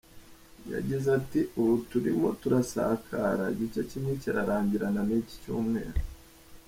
Yagize ati “ubu turimo turasakara, igice kimwe kirarangirana n’iki cyumweru.